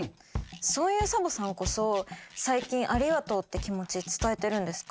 そういうサボさんこそさいきん「ありがとう」って気持ち伝えてるんですか？